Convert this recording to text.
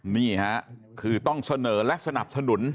นี่ค่ะคือต้องเสนอและสนับสนุน